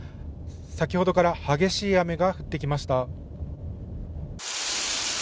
先ほどから激しい雨が降ってきました。